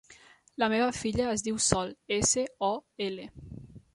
La meva filla es diu Sol: essa, o, ela.